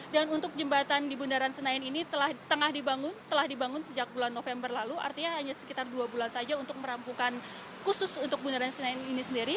dan untuk jembatan di bundaran senayan ini telah dibangun sejak bulan november lalu artinya hanya sekitar dua bulan saja untuk merampukan khusus untuk bundaran senayan ini sendiri